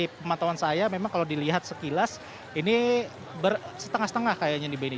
pemantauan saya memang kalau dilihat sekilas ini setengah setengah kayaknya nih benny